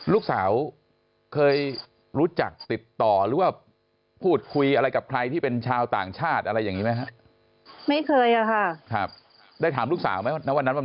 ลูกสาวเคยรู้จักติดต่อหรือว่าพูดคุยอะไรกับใครที่เป็นชาวต่างชาติอะไรอย่างนี้ไหมครับ